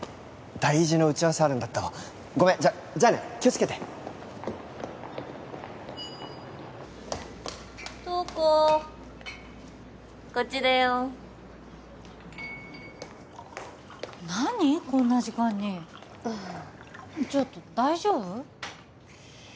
大事な打ち合わせあるんだったわごめんじゃじゃあね気をつけて瞳子こっちだよ何こんな時間にちょっと大丈夫？